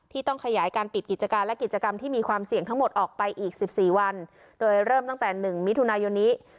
ต้องขยายการปิดกิจการและกิจกรรมที่มีความเสี่ยงทั้งหมดออกไปอีกสิบสี่วันโดยเริ่มตั้งแต่๑มิถุนายนนี้